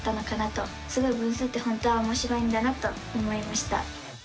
すごい分数って本当はおもしろいんだなと思いました！